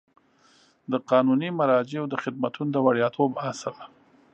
د قانوني مراجعو د خدمتونو د وړیاتوب اصل